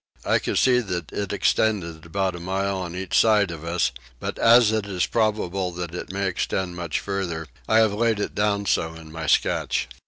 I could see that it extended about a mile on each side of us, but as it is probable that it may extend much further I have laid it down so in my sketch.